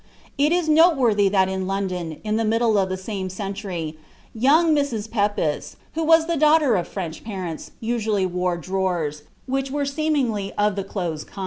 It is noteworthy that in London, in the middle of the same century, young Mrs. Pepys, who was the daughter of French parents, usually wore drawers, which were seemingly of the closed kind.